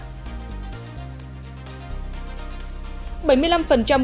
ngoại truyền thông tin việt nam